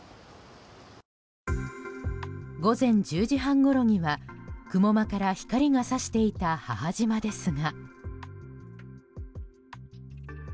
午前１０時半ごろには雲間から光が差していた母島ですが。